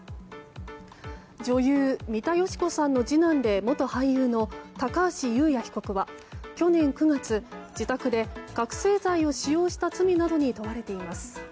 女優・三田佳子さんの次男で元俳優の高橋祐也被告は去年９月、自宅で覚醒剤を使用した罪などに問われています。